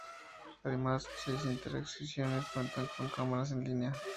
Además, seis intersecciones cuentan con cámaras en línea.